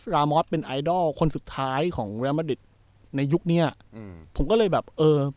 รามอสเป็นไอดอลคนสุดท้ายของแรมดิตในยุคเนี้ยอืมผมก็เลยแบบเออ